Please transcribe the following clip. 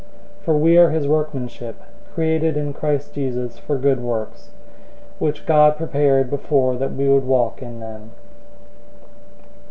002:010 For we are his workmanship, created in Christ Jesus for good works, which God prepared before that we would walk in them.